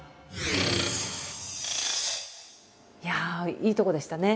いやあいいとこでしたね。